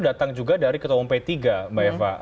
datang juga dari ketua umum p tiga mbak eva